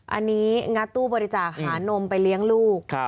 อันนี้งัดตู้บริจาคหานมไปเลี้ยงลูก